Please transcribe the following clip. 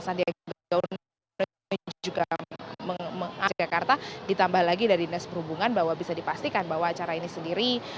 sandiaga uno juga mengajakarta ditambah lagi dari dinas perhubungan bahwa bisa dipastikan bahwa acara ini sendiri